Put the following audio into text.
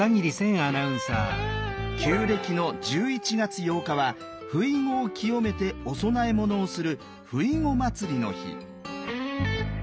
旧暦の１１月８日はふいごを清めてお供え物をするふいご祭りの日。